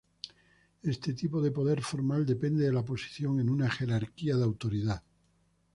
Este tipo de poder formal depende de la posición en una jerarquía de autoridad.